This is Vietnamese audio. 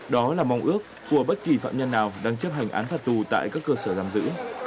đó là mong ước của bất kỳ phạm nhân nào đang chấp hành án phạt tù tại các cơ sở giam giữ